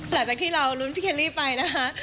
หลังจากที่เรารุ้นพี่เคลลี่ไปนะคะ